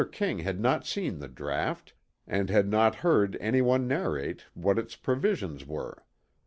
King had not seen the draught, and had not heard any one narrate what its provisions were.